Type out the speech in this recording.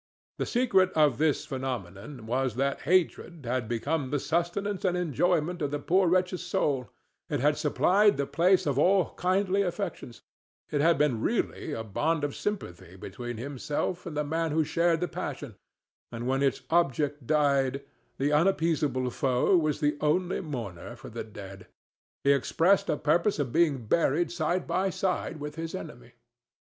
The secret of this phenomenon was that hatred had become the sustenance and enjoyment of the poor wretch's soul; it had supplied the place of all kindly affections; it had been really a bond of sympathy between himself and the man who shared the passion; and when its object died, the unappeasable foe was the only mourner for the dead. He expressed a purpose of being buried side by side with his enemy.